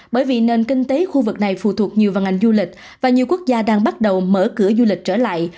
bởi vì nền kinh tế khu vực này phù thuộc nhiều văn hành du lịch và nhiều quốc gia đang bắt đầu mở cửa du lịch trở lại